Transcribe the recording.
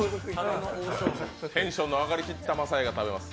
テンションの上がりきった晶哉が食べます。